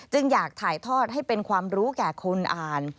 อยากถ่ายทอดให้เป็นความรู้แก่คนอ่าน